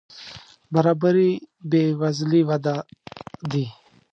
برابري بې وزلي وده دي.